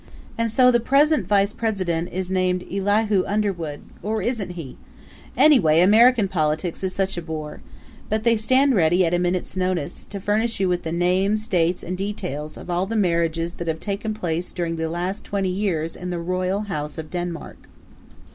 And so the present Vice President is named Elihu Underwood? Or isn't he? Anyway, American politics is such a bore. But they stand ready, at a minute's notice, to furnish you with the names, dates and details of all the marriages that have taken place during the last twenty years in the royal house of Denmark.